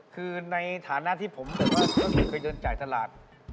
คือในฐานะที่ผมเคยเงินจ่ายตลาด